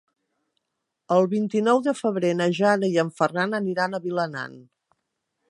El vint-i-nou de febrer na Jana i en Ferran aniran a Vilanant.